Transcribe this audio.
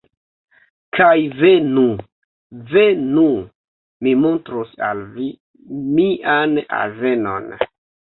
Kaj venu. Venu. Mi montros al vi mian azenon.